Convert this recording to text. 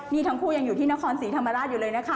นี่ทั้งคู่ยังอยู่ที่นครศรีธรรมราชอยู่เลยนะคะ